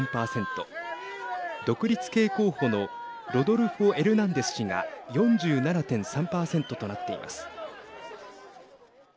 独立系候補のロドルフォ・エルナンデス氏が４７．３％となっています。